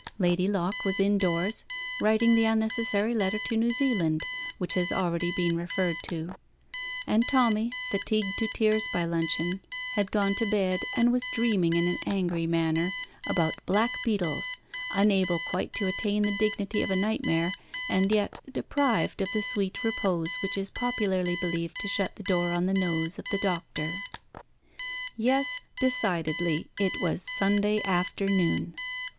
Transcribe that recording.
Lady Locke was indoors, writing the unnecessary letter to New Zealand, which has already been referred to; and Tommy, fatigued to tears by luncheon, had gone to bed, and was dreaming in an angry manner about black beetles, unable quite to attain the dignity of a nightmare, and yet deprived of the sweet repose which is popularly believed to shut the door on the nose of the doctor. Yes, decidedly, it was Sunday afternoon!